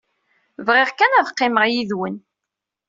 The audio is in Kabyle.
Bɣiɣ kan ad qqimeɣ yid-wen.